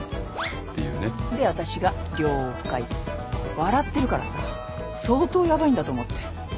笑ってるからさ相当ヤバいんだと思って。